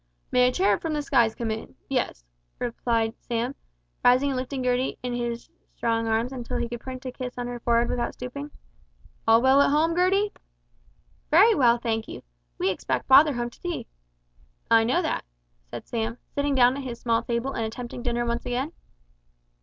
"May a cherub from the skies come in yes," replied Sam, rising and lifting Gertie in his strong arms until he could print a kiss on her forehead without stooping. "All well at home, Gertie?" "Very well, thank you. We expect father home to tea." "I know that," said Sam, sitting down at his small table and attempting dinner once again.